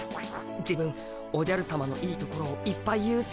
自分おじゃるさまのいいところをいっぱい言うっす。